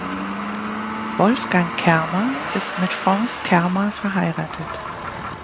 Wolfgang Kermer ist mit France Kermer verheiratet.